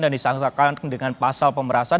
dan disanggahkan dengan pasal pemberasan